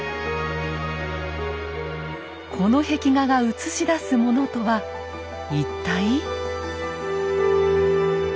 この壁画が映し出すものとは一体。